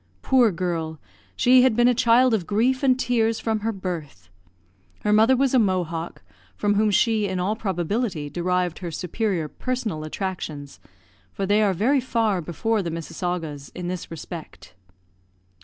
Poor girl, she had been a child of grief and tears from her birth! Her mother was a Mohawk, from whom she, in all probability, derived her superior personal attractions; for they are very far before the Missasaguas in this respect.